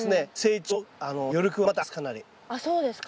そうですね。